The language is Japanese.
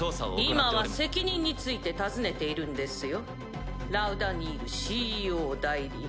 今は責任について尋ねているんですよラウダ・ニールＣＥＯ代理。